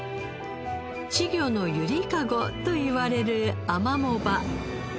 稚魚のゆりかごといわれるアマモ場。